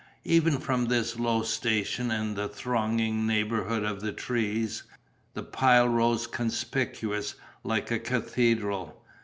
Even from this low station and the thronging neighbourhood of the trees, the pile rose conspicuous like a cathedral.